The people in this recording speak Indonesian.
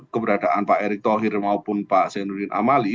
keberadaan pak erick thohir maupun pak zainuddin amali